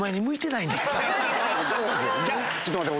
ちょっと待って。